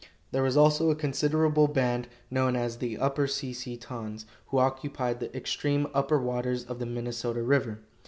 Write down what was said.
There was also a considerable band, known as the Upper Si si tons, who occupied the extreme upper waters of the Minnesota river.